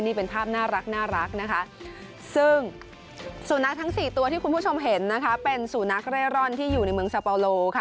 นี่เป็นภาพน่ารักนะคะซึ่งสูนักทั้งสี่ตัวที่คุณผู้ชมเห็นนะคะเป็นสูนักเร่ร่อนที่อยู่ในเมืองซาเปาโลค่ะ